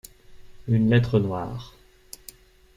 Une lettre noire.